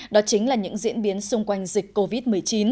đó chính là những diễn biến xung quanh dịch covid một mươi chín